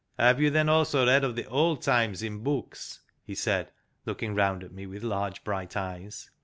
" Have you then also read of the old times in books?" he said, looking round at me with large bright eyes.